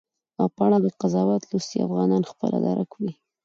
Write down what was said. په اړه به قضاوت لوستي افغانان خپله درک وي